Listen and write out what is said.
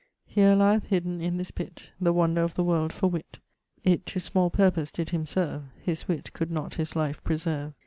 _ Here lieth, hidden in this pitt, The wonder of the world for witt. It to small purpose did him serve; His witt could not his life preserve.